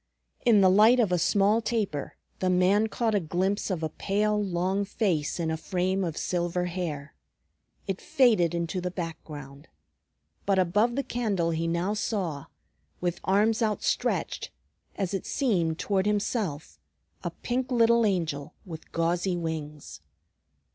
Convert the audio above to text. In the light of a small taper the man caught a glimpse of a pale, long face in a frame of silver hair. It faded into the background. But above the candle he now saw, with arms outstretched as it seemed toward himself, a pink little angel with gauzy wings.